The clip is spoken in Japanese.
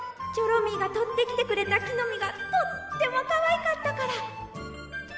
チョロミーがとってきてくれたきのみがとってもかわいかったから！